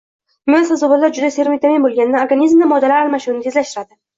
Meva-sabzavotlar juda servitamin bo‘lganidan organizmda moddalar almashinuvini tezlashtiradi.